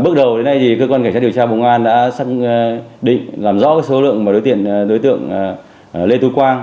bước đầu đến nay thì cơ quan cảnh sát điều tra bộ công an đã xác định làm rõ số lượng đối tượng đối tượng lê tú quang